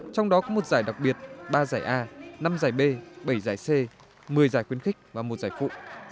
trong đó có một giải đặc biệt ba giải a năm giải b bảy giải c một mươi giải khuyến khích và một giải phụ